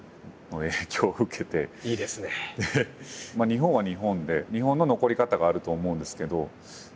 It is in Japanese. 日本は日本で日本の残り方があると思うんですけど。